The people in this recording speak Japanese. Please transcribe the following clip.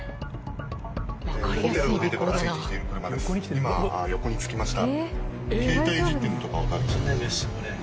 今横に付きました。